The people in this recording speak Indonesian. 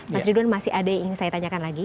mas judul masih ada yang ingin saya tanyakan lagi